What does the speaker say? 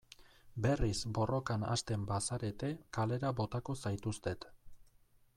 Berriz borrokan hasten bazarete kalera botako zaituztet.